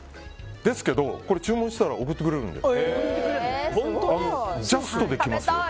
ですけど注文したら送ってくれるので。